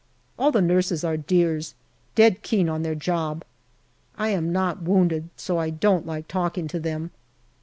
All the nurses are dears, dead keen on their job. I am not wounded, so I don't like talking to them.